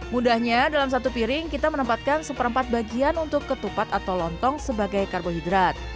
mudahnya dalam satu piring kita menempatkan seperempat bagian untuk ketupat atau lontong sebagai karbohidrat